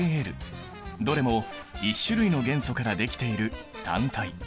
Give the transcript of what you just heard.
どれも１種類の元素からできている単体。